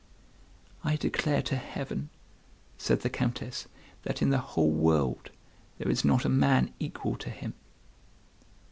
"I declare to Heaven," said the Countess, "that in the whole world there is not a man equal to him."